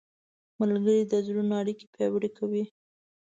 ملګري د زړونو اړیکې پیاوړې کوي.